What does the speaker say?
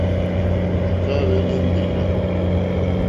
Njɛ̂ à hwélí mbèrzà.